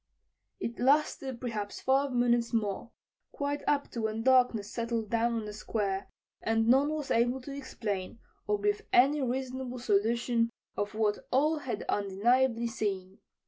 It lasted perhaps five minutes more, quite up to when darkness settled down on the Square, and none was able to explain or give any reasonable solution of what all had undeniably seen.